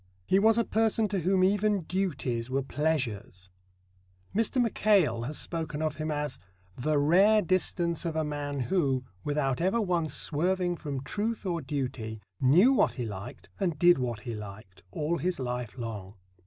He was a person to whom even duties were Pleasures. Mr. Mackail has spoken of him as "the rare distance of a man who, without ever once swerving from truth or duty, knew what he liked and did what he liked, all his life long."